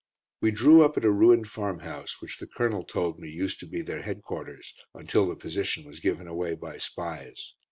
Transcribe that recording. We drew up at a ruined farm house, which the Colonel told me used to be their headquarters, until the position was given away by spies.